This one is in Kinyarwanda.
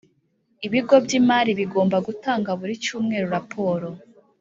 Ibigo by’imari bigomba gutanga buri cyumweru raporo